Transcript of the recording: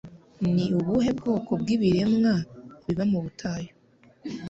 Ni ubuhe bwoko bw'ibiremwa biba mu butayu